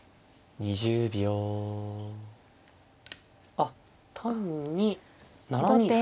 あっ単に７二歩。